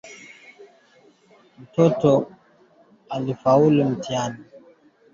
Bitu byote muliuzaka pamoya muta gawanya